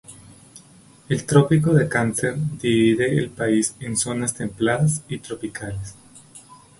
El Trópico de Cáncer divide el país en zonas templadas y tropicales.